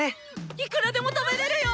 いくらでも食べれるよ。